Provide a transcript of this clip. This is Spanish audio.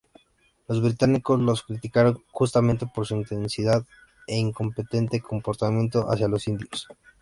Los británicos los criticaron justamente por su insensible e incompetente comportamiento hacia los indios".